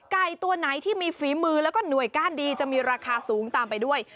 ไก่ตัวไหนที่มีฝีมือแล้วก็หน่วยก้านดีจะมีราคาสูงตามไปด้วย